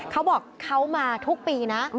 เขาบอกเขามาทุกปีนะ